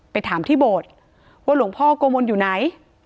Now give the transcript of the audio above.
ไปถามที่โบสถ์ว่าหลวงพ่อโกมลอยู่ไหน